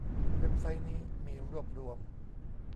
เว็บไซต์นี้มีรวบรวม